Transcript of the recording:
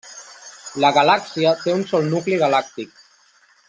La galàxia té un sol nucli galàctic.